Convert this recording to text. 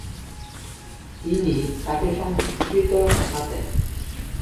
তিনি তাকে সংস্কৃত শেখাতেন।